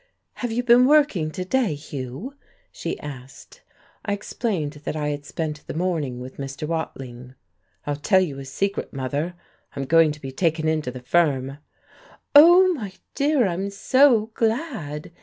"Have you been working to day, Hugh?" she asked. I explained that I had spent the morning with Mr. Watling. "I'll tell you a secret, mother. I'm going to be taken into the firm." "Oh, my dear, I'm so glad!"